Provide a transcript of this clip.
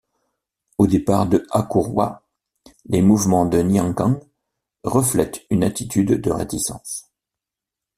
Au départ de Akurwa, les mouvements de Nyikang reflètent une attitude de réticence.